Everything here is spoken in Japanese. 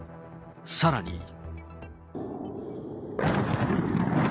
さらに。